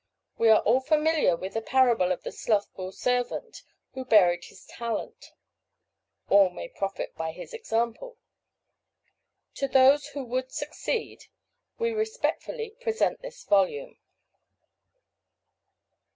We are all familiar with the parable of the slothful servant who buried his talent all may profit by his example. To those who would succeed, we respectfully present this volume.